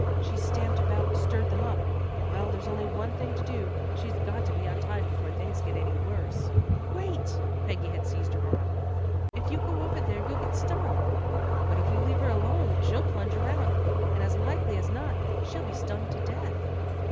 "She's stamped about and stirred them up. Well, there's only one thing to do. She's got to be untied before things are any worse." "Wait!" Peggy had seized her arm. "If you go over there you'll get stung." "But if we leave her alone, she'll plunge around, and as likely as not she'll be stung to death."